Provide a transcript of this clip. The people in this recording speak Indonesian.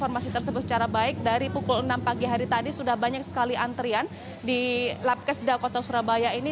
informasi tersebut secara baik dari pukul enam pagi hari tadi sudah banyak sekali antrian di lab keseda kota surabaya ini